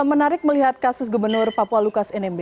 menarik melihat kasus gubernur papua lukas nmb